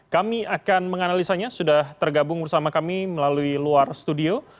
kami akan menganalisanya sudah tergabung bersama kami melalui luar studio